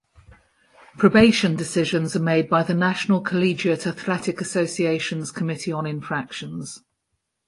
Probation decisions are made by the National Collegiate Athletic Association's Committee on Infractions.